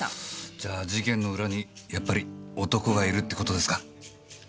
じゃあ事件の裏にやっぱり男がいるって事ですか？